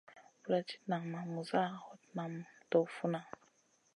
Vuladid nan ma muza, hot nan ma doh funa.